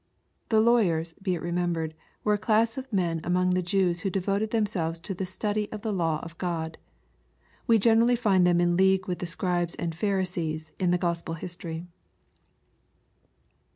'] The lawyers, be it remembered, were a class of men among the Jews who devoted themselves to the study of the law of God. We generally find them in league with the Scribes and Pharisees in the Q ospel history.